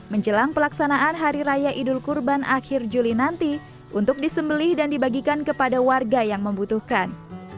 menjelang pelaksanaan hari raya idul kurban akhir juli nanti untuk disembeli dan dibagikan kepada warga yang membutuhkan